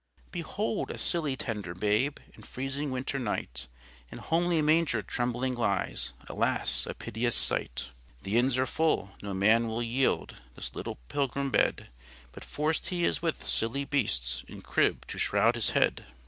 Behold a silly tender Babe, In freezing winter night, In homely manger trembling lies; Alas! a piteous sight. The inns are full, no man will yield This little Pilgrim bed; But forced He is with silly beasts In crib to shroud His head.